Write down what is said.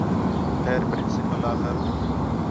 خیر پرنسپل آخر